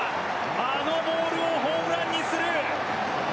あのボールをホームランにする。